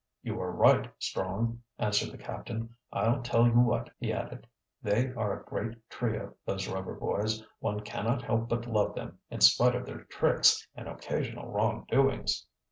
"You are right, Strong," answered the captain. "I'll tell you what," he added. "They are a great trio, those Rover boys. One cannot help but love them, in spite of their tricks and occasional wrong doings."